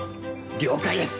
了解です！